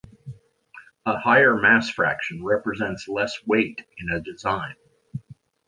A higher mass fraction represents less weight in a design.